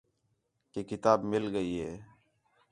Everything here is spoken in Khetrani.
کہ کتاب مِل ڳئی ہِے